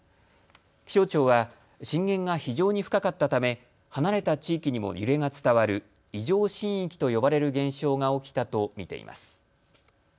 気象庁は震源が非常に深かったため離れた地域にも揺れが伝わる異常震域と呼ばれる現象が起きたと見ています。